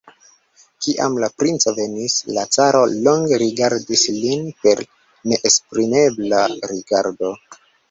Kiam la princo venis, la caro longe rigardis lin per neesprimebla rigardo.